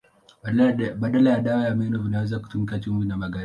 Badala ya dawa ya meno vinaweza kutumika chumvi na magadi.